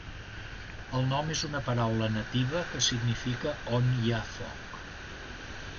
El nom és una paraula nativa que significa on hi ha foc.